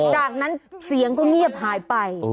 จากนั้นเสียงก็เงียบหายไป